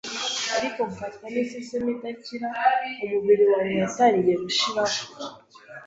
ariko mfatwa n’isesemi idakira! Umubiri wanjye watangiye gushiraho,